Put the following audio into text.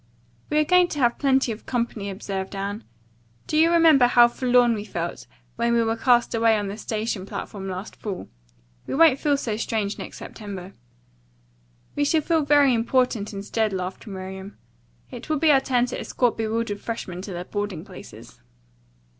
"We are going to have plenty of company," observed Anne. "Do you remember how forlorn we felt when we were cast away on this station platform last fall? We won't feel so strange next September." "We shall feel very important instead," laughed Miriam. "It will be our turn to escort bewildered freshmen to their boarding places."